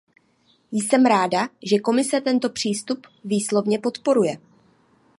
Jsem ráda, že Komise tento přístup výslovně podporuje.